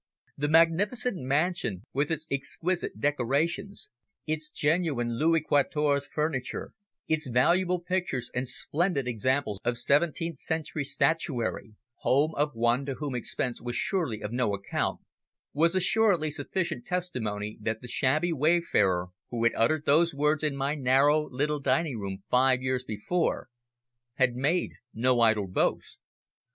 The magnificent mansion, with its exquisite decorations, its genuine Louis Quatorze furniture, its valuable pictures and splendid examples of seventeenth century statuary, home of one to whom expense was surely of no account, was assuredly sufficient testimony that the shabby wayfarer who had uttered those words in my narrow little dining room five years before had made no idle boast.